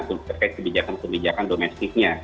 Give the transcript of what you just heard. terkait kebijakan kebijakan domestiknya